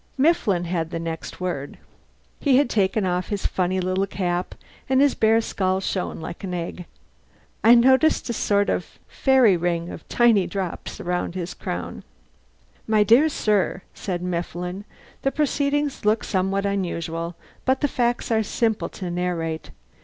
Mifflin had the next word. He had taken off his funny little cap, and his bare skull shone like an egg. I noticed a little sort of fairy ring of tiny drops around his crown. "My dear sir," said Mifflin, "the proceedings look somewhat unusual, but the facts are simple to narrate.